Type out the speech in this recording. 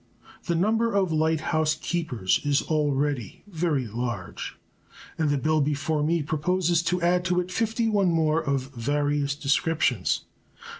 The number of light house keepers is already very large, and the bill before me proposes to add to it 51 more of various descriptions.